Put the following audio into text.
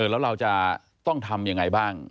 แล้วเราจะต้องทำยังไงบ้าง